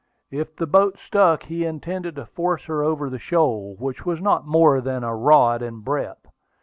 If the boat stuck, he intended to force her over the shoal, which was not more than a rod in breadth.